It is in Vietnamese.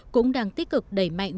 cũng đang tích cực đẩy mạnh